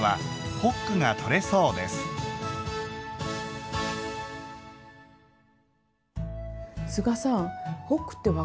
ホックって分かります？